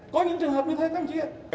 có những trường hợp như thế thậm chí